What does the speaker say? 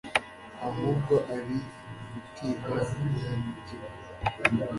ahubwo ari ugutinya guhemukirwa